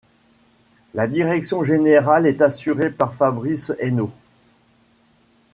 La direction générale est assurée par Fabrice Hainaut.